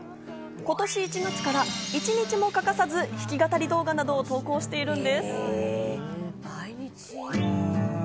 今年１月から１日も欠かさず弾き語り動画など投稿しているんです。